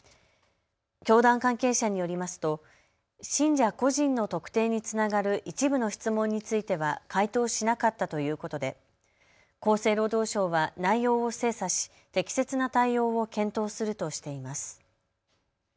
教団関係者によりますと信者個人の特定につながる一部の質問については回答しなかったということで厚生労働省は内容を精査し適切な対応を検討するとしています。